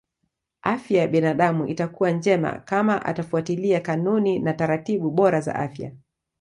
Afya ya binadamu itakuwa njema kama atafuatilia kanuni na taratibu bora za afya